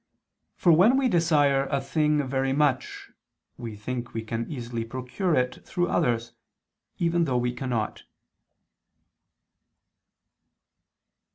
For when we desire a thing very much, we think we can easily procure it through others, even though we cannot.